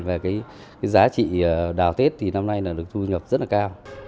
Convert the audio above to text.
về cái giá trị đào tết thì năm nay là được thu nhập rất là cao